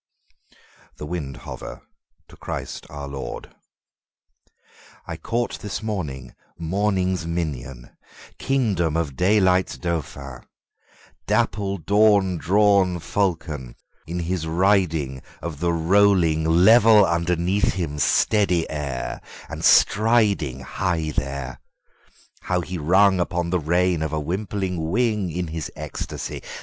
The Windhover To Christ our LordI CAUGHT this morning morning's minion, king dom of daylight's dauphin, dapple dawn drawn Falcon, in his ridingOf the rolling level underneath him steady air, and stridingHigh there, how he rung upon the rein of a wimpling wingIn his ecstasy!